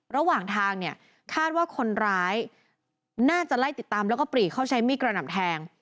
ระหว่างทางเนี่ยคาดว่าคนร้ายน่าจะไล่ติดตามแล้วก็ปรีเข้าใช้มีดกระหน่ำแทง